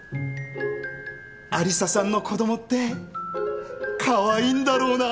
有沙さんの子供ってカワイイんだろうなぁ。